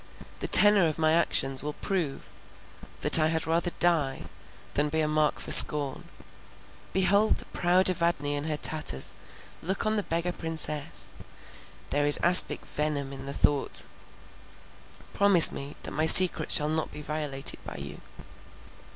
The tenor of my actions will prove that I had rather die, than be a mark for scorn—behold the proud Evadne in her tatters! look on the beggar princess! There is aspic venom in the thought—promise me that my secret shall not be violated by you."